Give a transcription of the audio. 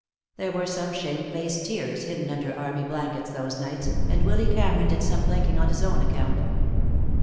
There were some shame faced tears hidden under army blankets those nights, and Willy Cameron did some blinking on his own account.